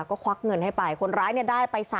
ก็ควักเงินให้ไปคนร้ายเนี่ยได้ไป